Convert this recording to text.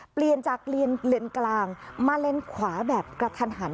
เปลี่ยนจากเลนส์กลางมาเลนขวาแบบกระทันหัน